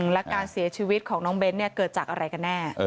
และการเสียชีวิตของน้องเบ้นเกิดจากอะไรกันแน่